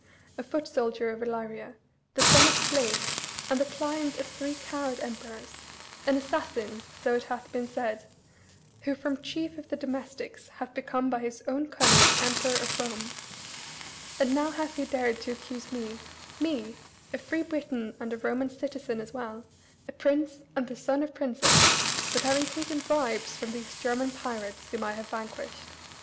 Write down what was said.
A foot soldier of Illyria, the son of slaves, and the client of three coward emperors; an assassin, so it hath been said, who from chief of the domestics, hath become by his own cunning Emperor of Rome, And now hath he dared to accuse me me, a free Briton and a Roman citizen as well, a prince and the son of princes, with having taken bribes from these German pirates whom I have vanquished.